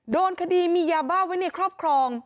โดนคดีมียาบ้าไว้ในครอบครอง